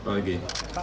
pembebasan tanah apa pak